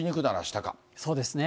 そうですね。